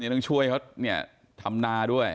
เดี๋ยวช่วยเขาทำนาด้วย